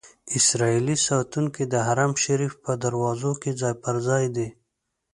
اسرائیلي ساتونکي د حرم شریف په دروازو کې ځای پر ځای دي.